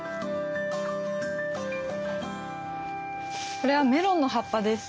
これはメロンの葉っぱです。